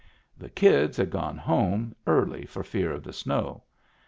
The kids had gone home early for fear of the snow.